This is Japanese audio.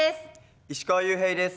石川裕平です。